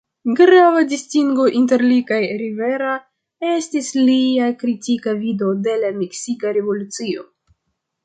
Grava distingo inter li kaj Rivera estis lia kritika vido de la meksika revolucio.